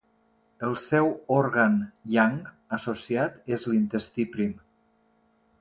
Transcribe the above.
El seu òrgan yang associat és l'intestí prim.